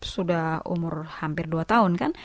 sudah umur hampir dua tahun kan